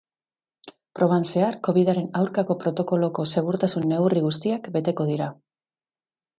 Proban zehar, covidaren aurkako protokoloko segurtasun-neurri guztiak beteko dira.